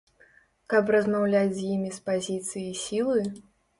Каб размаўляць з імі з пазіцыі сілы?